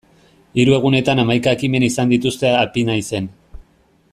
Hiru egunetan hamaika ekimen izan dituzte Apinaizen.